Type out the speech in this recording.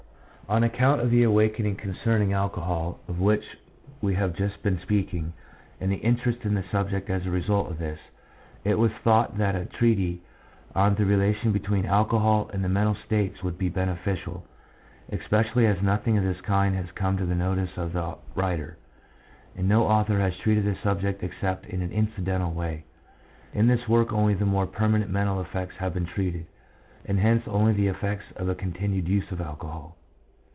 On account of the awakening concerning alcohol, of which we have just been speaking, and the interest in the subject as a result of this, it was thought that a treatise on the relation between alcohol and the mental states would be beneficial, especially as nothing of this kind has come to the notice of the writer, and no author has treated the subject except in an incidental way. In this work only the more permanent mental effects have been treated, and .hence only the effects of a continued use of alcohol.